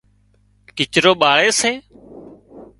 ڪچرو ٻاۯي سي